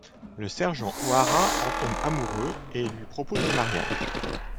Le sergent O'Hara en tombe amoureux et lui propose le mariage.